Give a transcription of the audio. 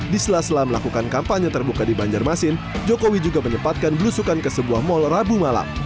di sela sela melakukan kampanye terbuka di banjarmasin jokowi juga menyempatkan belusukan ke sebuah mal rabu malam